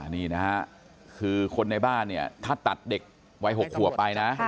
นี่นะฮะคือคนในบ้านเนี่ยถ้าตัดเด็กวัย๖ขวบไปนะ